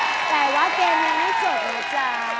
แต่ว่าเกมยังไม่จบนะจ๊ะ